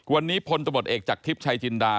วันนี้พลตำรวจเอกจากทิพย์ชายจินดา